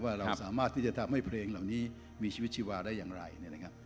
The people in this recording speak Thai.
เราสามารถที่จะทำให้เพลงเหล่านี้มีชีวิตชีวาได้อย่างไรเนี่ยนะครับ